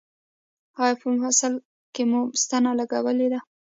ایا په مفصل کې مو ستنه لګولې ده؟